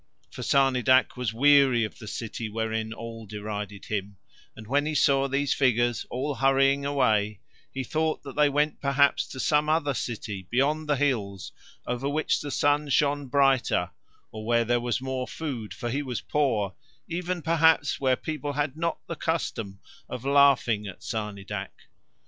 For Sarnidac was weary of the city wherein all derided him, and when he saw these figures all hurrying away he thought that they went perhaps to some other city beyond the hills over which the sun shone brighter, or where there was more food, for he was poor, even perhaps where people had not the custom of laughing at Sarnidac.